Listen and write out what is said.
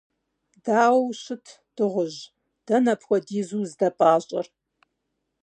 Дауэ ущыт, дыгъужь? Дэнэ апхуэдизу уздэпӀащӀэр?